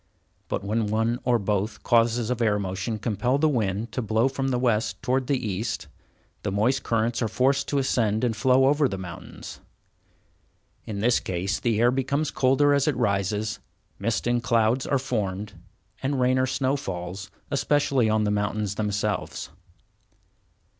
But when one or both causes of air motion compel the wind to blow from the west towards the east, the moist currents are forced to ascend and flow over the mountains. In this case the air becomes colder as it rises, mist and clouds are formed, and rain or snow falls, especially on the mountains themselves.